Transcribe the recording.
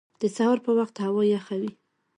د سهار په وخت هوا یخه وي